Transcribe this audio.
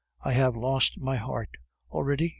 I have lost my heart." "Already!"